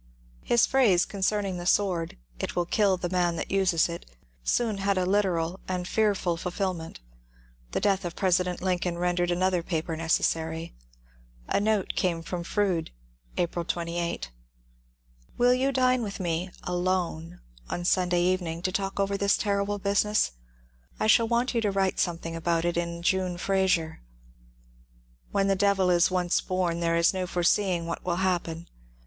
His phrase concerning the sword, " it will kill the man that uses it," soon had a literal and fearful fulfilment. The death of President Lincoln rendered another paper neces sary. A note came from Froude (April 28) :— DEATH OF LINCOLN 205 *^ Will you dine with me cUone on Sunday evening, to talk over this terrible business ? I shall want you to write some thing about it in Jime ^ Eraser.' When the Devil is once born there is no foreseeing what will happen.